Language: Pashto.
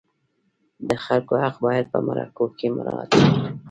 د خلکو حق باید په مرکو کې مراعت شي.